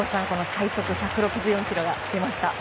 最速１６４キロが出ました。